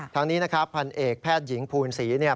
ครั้งนี้นะครับพันเอกแพทยิงภูณศรี